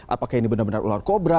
apakah ini benar benar ular kobra